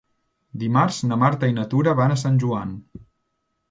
Dimarts na Marta i na Tura van a Sant Joan.